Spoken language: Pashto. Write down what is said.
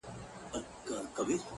چي په پسي به زړه اچوې~